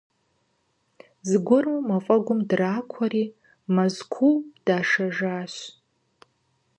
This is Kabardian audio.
Зыгуэру мафӀэгум дракуэри, Мэзкуу дашэжащ.